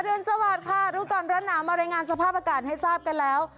สวัสดีค่ะรู้ก่อนร้อนหนาวมารายงานสภาพอากาศให้ทราบกันแล้ว